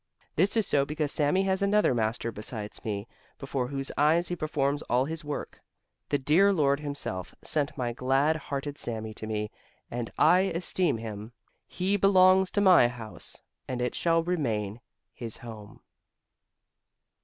This is so because Sami has another Master besides me, before whose eyes he performs all his work. The dear Lord himself sent my glad hearted Sami to me, and I esteem him. He belongs to my house, and it shall remain his home!"